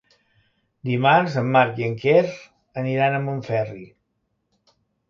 Dimarts en Marc i en Quer aniran a Montferri.